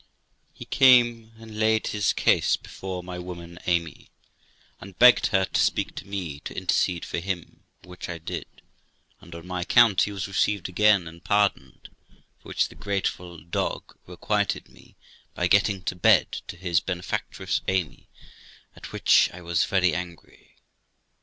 He came and laid his case before my woman Amy, and begged her to speak to me to intercede for him, which I did, 16 242 THE LIFE OF ROXANA and on my account he was received again and pardoned, for which the grateful dog requited me by getting to bed to his benefactress, Amy, at which I was very angry.